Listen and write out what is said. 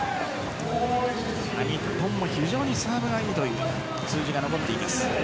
日本も非常にサーブがいいという数字が残っています。